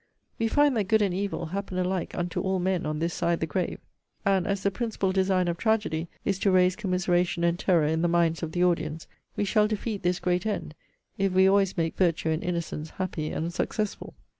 'We find that good and evil happen alike unto ALL MEN on this side the grave: and as the principal design of tragedy is to raise commiseration and terror in the minds of the audience, we shall defeat this great end, if we always make virtue and innocence happy and successful.